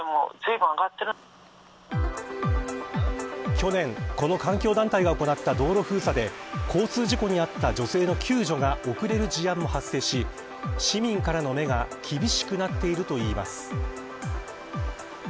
去年、この環境団体が行った道路封鎖で交通事故に遭った女性の救助が遅れる事案も発生し市民からの目が厳しくなっているといいます。